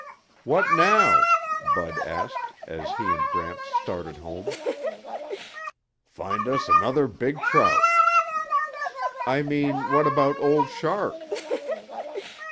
"What now?" Bud asked, as he and Gramps started home. "Find us another big trout." "I mean, what about Old Shark?"